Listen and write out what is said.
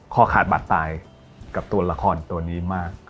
ขาดบาดตายกับตัวละครตัวนี้มาก